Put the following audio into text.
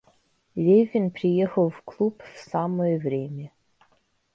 Левин приехал в клуб в самое время.